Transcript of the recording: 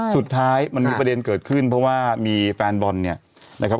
สุดท้ายมันมีประเด็นเกิดขึ้นเพราะว่ามีแฟนบอลเนี่ยนะครับ